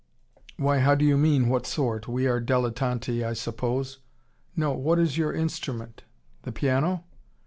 "Why, how do you mean, what sort? We are dilettanti, I suppose." "No what is your instrument? The piano?"